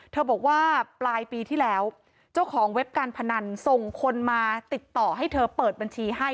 บอกว่าปลายปีที่แล้วเจ้าของเว็บการพนันส่งคนมาติดต่อให้เธอเปิดบัญชีให้